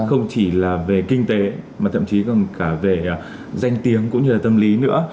không chỉ là về kinh tế mà thậm chí còn cả về danh tiếng cũng như là tâm lý nữa